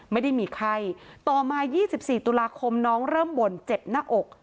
ไม่ได้มีไข้ต่อมา๒๔ตุลาคมน้องเริ่มบ่นเจ็บหน้าอก